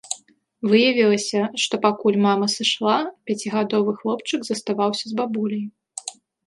Выявілася, што пакуль мама сышла, пяцігадовы хлопчык заставаўся з бабуляй.